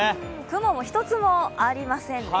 雲も一つもありませんね。